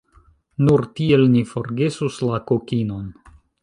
Nur tiel ni forgesus la kokinon.